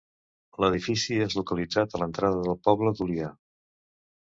L'edifici és localitzat a l'entrada del poble d'Olià.